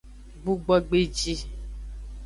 Gbugbogbeji.